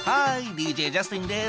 ＤＪジャスティンです。